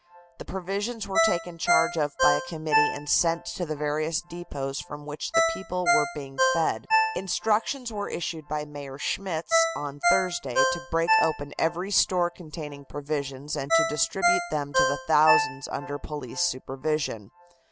The provisions were taken charge of by a committee and sent to the various depots from which the people were being fed. Instructions were issued by Mayor Schmitz on Thursday to break open every store containing provisions and to distribute them to the thousands under police supervision.